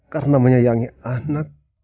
karena menyayangi anak